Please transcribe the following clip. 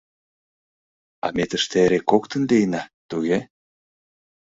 А ме тыште эре коктын лийына, туге?